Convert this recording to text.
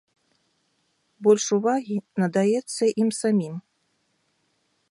Больш увагі надаецца ім самім.